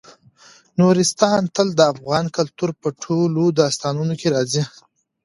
نورستان تل د افغان کلتور په ټولو داستانونو کې راځي.